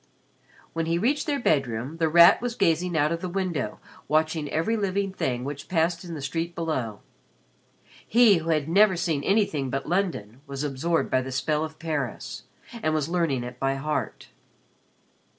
When he reached their bedroom, The Rat was gazing out of the window watching every living thing which passed in the street below. He who had never seen anything but London was absorbed by the spell of Paris and was learning it by heart.